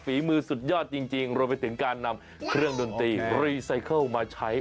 ฝีมือสุดยอดจริงรวมไปถึงการนำเครื่องดนตรีรีไซเคิลมาใช้